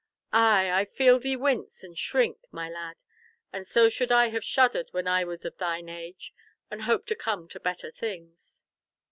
Ay, I feel thee wince and shrink, my lad; and so should I have shuddered when I was of thine age, and hoped to come to better things."